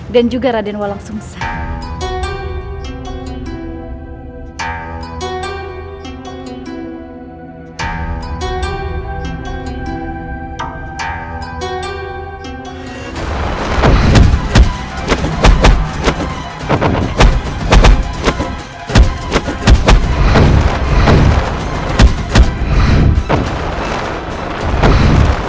dan juga raden walangsungsan